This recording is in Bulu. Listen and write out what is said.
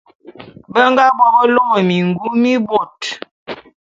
Be nga bo be lômôk mingum mi bôt.